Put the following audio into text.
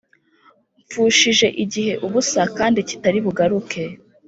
Mfushije igihe ubusa kandi kitari bugaruke